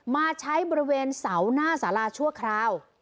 มาใช้บริเวณเสาหน้าสาราชั่วคราว